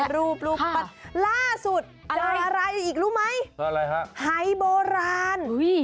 รูปปั้นล่าสุดอะไรอีกรู้ไหมหายโบราณหายโบราณ